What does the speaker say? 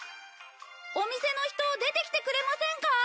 お店の人出てきてくれませんか？